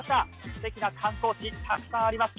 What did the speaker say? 素敵な観光地たくさんあります